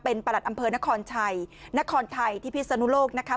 เป็นประหลัดอำเภอนครชัยนครไทยที่พิศนุโลกนะคะ